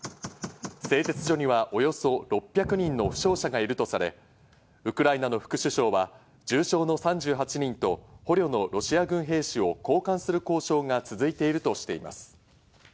製鉄所にはおよそ６００人の負傷者がいるとされ、ウクライナの副首相は重傷の３８人と、捕虜のロシア軍兵士を交換する交渉が続いているとしています。